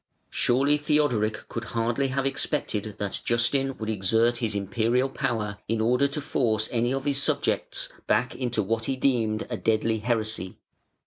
Surely Theodoric could hardly have expected that Justin would exert his Imperial power in order to force any of his subjects back into what he deemed a deadly heresy.